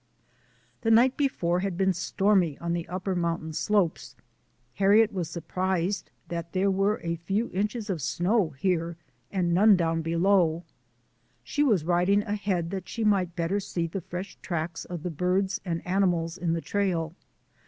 The night before had been stormy on the upper mountain slopes. Harriet was surprised that there were a few inches of snow here and none down below. She was riding ahead that she might better see the fresh tracks of the birds and animals in the trail.